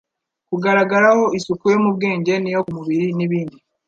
kugaragaraho isuku yo mu bwenge n'iyo ku mubiri n'ibindi.